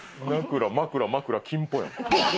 枕枕枕木ンポや。